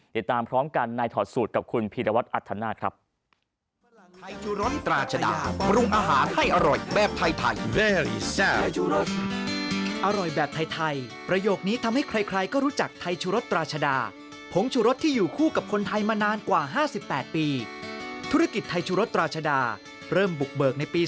ติดตามพร้อมกันในถอดสูตรกับคุณพีรวัตรอัธนาคครับ